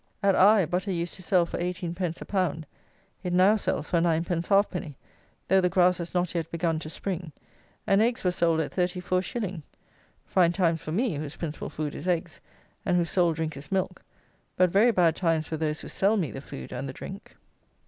At Eye, butter used to sell for eighteen pence a pound: it now sells for nine pence halfpenny, though the grass has not yet begun to spring; and eggs were sold at thirty for a shilling. Fine times for me, whose principal food is eggs, and whose sole drink is milk, but very bad times for those who sell me the food and the drink.